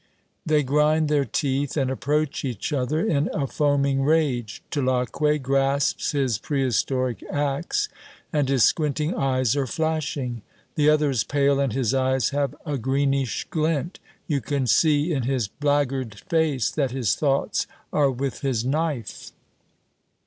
They grind their teeth and approach each other in a foaming rage. Tulacque grasps his prehistoric ax, and his squinting eyes are flashing. The other is pale and his eyes have a greenish glint; you can see in his blackguard face that his thoughts are with his knife.